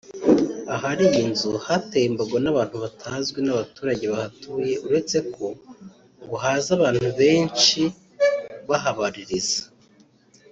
Ahari iyi nzu hatewe imbago n’abantu batazwi n’abaturage bahatuye uretseko ngo haza abantu benshi bahabaririza